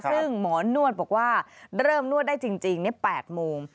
ซึ่งหมอนวดบอกว่าเริ่มนวดได้จริง๘โมง